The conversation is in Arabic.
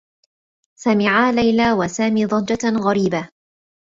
سمعا ليلى و سامي ضجّة غريبة.